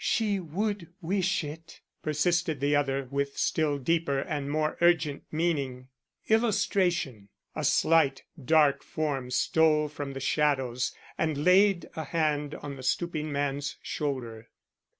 "She would wish it," persisted the other with still deeper and more urgent meaning. [Illustration: A slight, dark form stole from the shadows and laid a hand on the stooping man's shoulder.